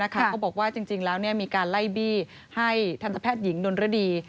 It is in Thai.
ก็บอกว่าจริงแล้วมีการไล่บี้ให้ทันตแพทย์หญิงดนรดี